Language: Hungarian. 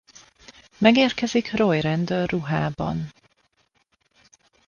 Megérkezik Roy rendőr ruhában.